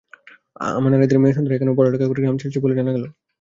আমা নারীদের মেয়েসন্তানেরা এখন পড়ালেখা করে গ্রাম ছাড়ছে বলে জানা গেল।